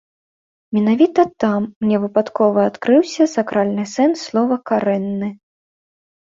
Менавіта там мне выпадкова адкрыўся сакральны сэнс слова карэнны.